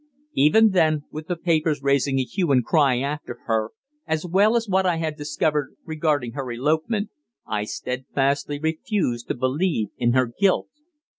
Even then, with the papers raising a hue and cry after her, as well as what I had discovered regarding her elopement, I steadfastly refused to believe in her guilt.